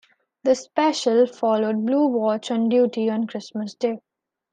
The special followed Blue Watch on duty on Christmas Day.